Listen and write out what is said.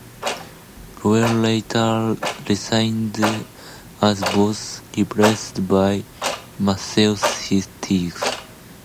Lowe later resigned as bass, replaced by Matthew Stiff.